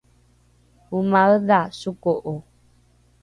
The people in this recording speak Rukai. omaedha soko’o?